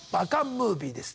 ムービーです。